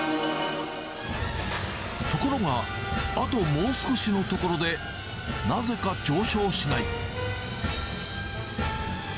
ところがあともう少しのところでなぜか上昇しない。